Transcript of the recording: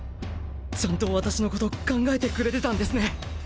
ちゃんと私のこと考えてくれてたんですね。